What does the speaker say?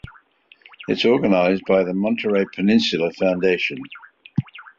It is organized by the Monterey Peninsula Foundation.